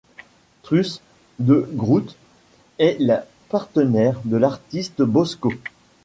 Truus de Groot est la partenaire de l'artiste Bosko.